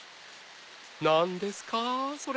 何ですかそれ？